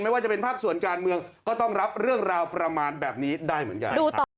ว่าจะเป็นภาคส่วนการเมืองก็ต้องรับเรื่องราวประมาณแบบนี้ได้เหมือนกัน